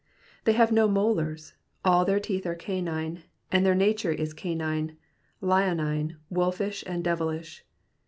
They have no molars, all their teeth are canine, and their nature is canine, leonine, wolfish, devilish.